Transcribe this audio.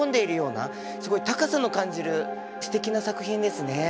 すごい高さの感じるすてきな作品ですね。